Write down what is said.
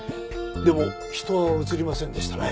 でも人は映りませんでしたね。